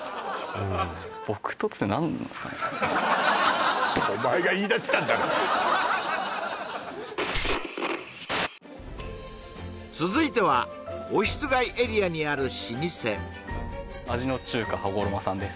うん続いてはオフィス街エリアにある老舗味の中華羽衣さんです